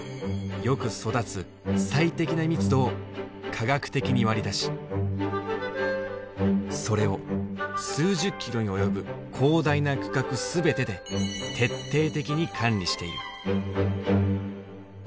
よく育つ最適な密度を科学的に割り出しそれを数十キロに及ぶ広大な区画全てで徹底的に管理している。